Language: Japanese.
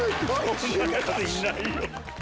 こんな方いないよ。